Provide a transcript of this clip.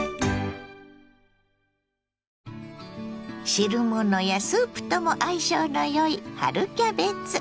汁物やスープとも相性のよい春キャベツ。